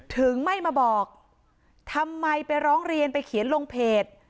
ถึงไม่มาบอกทำไมไปร้องเรียนไปเขียนลงเพจ